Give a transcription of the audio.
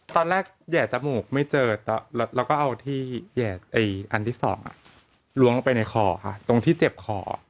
แห่จมูกไม่เจอแล้วก็เอาที่แห่อันที่๒ล้วงลงไปในคอค่ะตรงที่เจ็บคอ